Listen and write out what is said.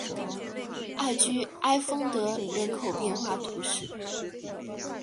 艾居埃丰德人口变化图示